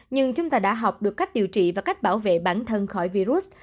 nhưng chúng ta đã học được cách điều trị và cách bảo vệ bản thân khỏi virus